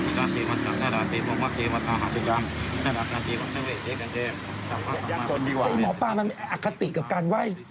แต่อิหมอป้ามันอัคติกับการไุ้